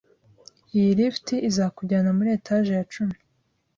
Iyi lift izakujyana muri etage ya cumi.